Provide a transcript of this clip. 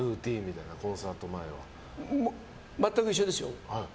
全く一緒ですよ。